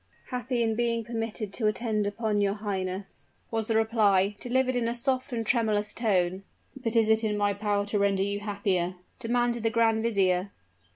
"Happy in being permitted to attend upon your highness," was the reply, delivered in a soft and tremulous tone. "But is it in my power to render you happier?" demanded the grand vizier.